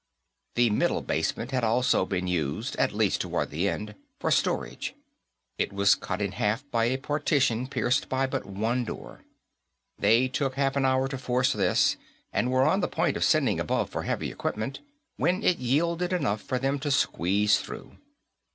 The middle basement had also been used, at least toward the end, for storage; it was cut in half by a partition pierced by but one door. They took half an hour to force this, and were on the point of sending above for heavy equipment when it yielded enough for them to squeeze through.